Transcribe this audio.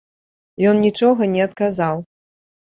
Ён нічога не адказаў.